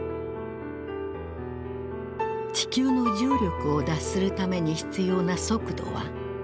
地球の重力を脱するために必要な速度は？